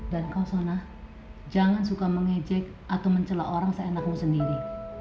dan kau sona jangan suka mengejek atau mencelak orang seenakmu sendiri